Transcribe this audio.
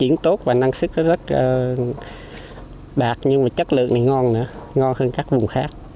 tiếng tốt và năng sức rất bạc nhưng mà chất lượng này ngon nữa ngon hơn các vùng khác